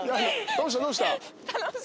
どうしたどうした？